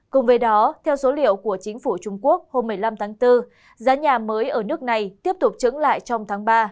cùng với đó theo số liệu của chính phủ trung quốc hôm một mươi năm tháng bốn giá nhà mới ở nước này tiếp tục trứng lại trong tháng ba